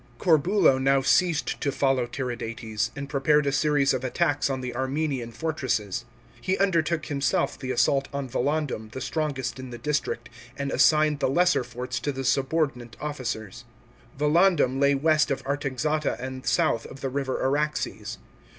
§ 9. Corbulo now ceased to follow Tiridates, and prepared a series of attacks on the Armenian fortresses. He undertook himself the assault on Volandum the strongest in the district, and assigned the lesser forts to the subordinate officers. Volandum lay west of Artaxata and south of the river A raxes.